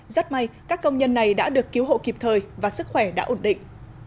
rất may các công nhân này đã được cứu hộ kịp thời và sức khỏe đã ổn định